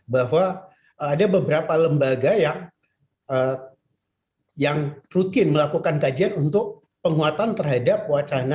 bahwa ada beberapa lembaga yang rutin melakukan kajian untuk penguatan terhadap wacana